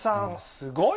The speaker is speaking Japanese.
すごい！